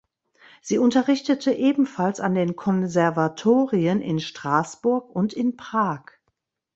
Sie unterrichtete ebenfalls an den Konservatorien in Straßburg und in Prag.